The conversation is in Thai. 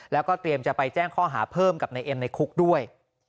แล้วก็เตรียมจะไปแจ้งข้อหาเพิ่มกับนายเอ็มในคุกด้วย